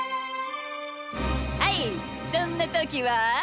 はいそんなときは？